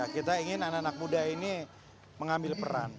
kita ingin anak anak muda ini mengambil peran